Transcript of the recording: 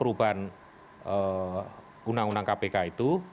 untuk mengendaki undang undang kpk itu